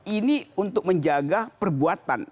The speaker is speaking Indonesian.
ini untuk menjaga perbuatan